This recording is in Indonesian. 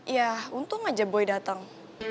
ya untung aja boy datang